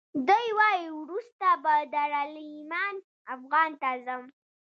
دی وایي وروسته به دارالایمان افغان ته ځم.